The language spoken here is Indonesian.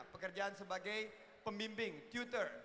pekerjaan sebagai pembimbing tutor